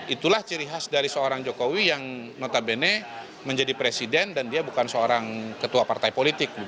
itulah ciri khas dari seorang jokowi yang notabene menjadi presiden dan dia bukan seorang ketua partai politik